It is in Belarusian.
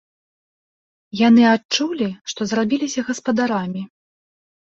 Яны адчулі, што зрабіліся гаспадарамі.